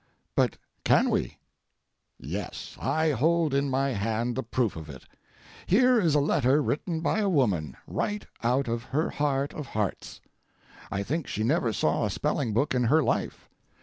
But can we? Yes. I hold in my hand the proof of it. Here is a letter written by a woman, right out of her heart of hearts. I think she never saw a spelling book in her life.